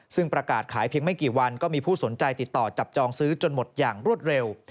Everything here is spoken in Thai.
ซึ่งประกาศขายเพียงไม่กี่วันก็มีผู้สนใจติดต่อจับจองซื้อจนหมดอย่างรวดเร็ว